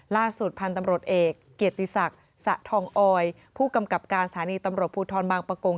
ล่าสุดพันธุ์ตำรวจเอกเกียรติศักดิ์สะทองออยผู้กำกับการสถานีตำรวจภูทรบางประกง